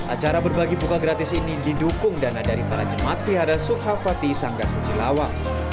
acara berbagi buka gratis ini didukung dana dari para jemaat wihara sukhavati sanggaruji lawang